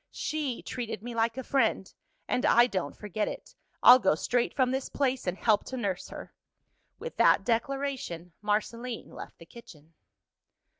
She treated me like a friend and I don't forget it. I'll go straight from this place, and help to nurse her!" With that declaration, Marceline left the kitchen.